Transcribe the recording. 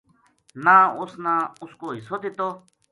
نہ اُس نا اُس کو حصو دِتو